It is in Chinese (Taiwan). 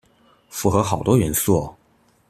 符合好多元素喔